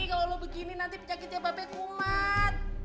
kalau lo begini nanti penyakitnya mbak be kumat